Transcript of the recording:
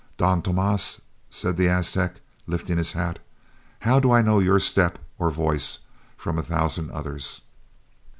"'Don Tomas,' said the Aztec, lifting his hat, 'how do I know your step or voice from a thousand others?'